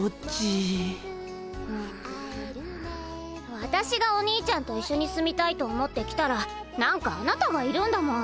わたしがお兄ちゃんと一緒に住みたいと思ってきたら何かあなたがいるんだもん。